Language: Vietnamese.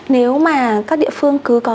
nếu mà các địa phương cứ có